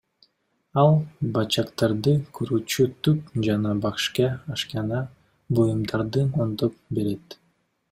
Ал бычактарды куурчутуп жана башка ашкана буюмдарын оңдоп берет.